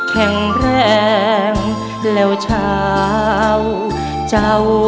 แข็งแรงแล้วชาว